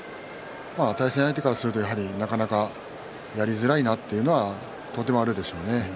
対戦相手からするとなかなかやりづらいなというのはあるでしょうね。